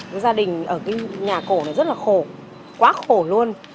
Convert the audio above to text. các gia đình ở nhà cổ này rất là khổ quá khổ luôn